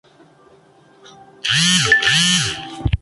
El aeropuerto alberga la estación meteorológica oficial de Albury-Wodonga.